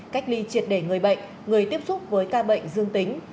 cách ly triệt để người bệnh người tiếp xúc với ca bệnh dương tính